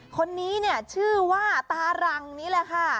คนนี้เนี่ยชื่อว่าตารังนี่แหละค่ะ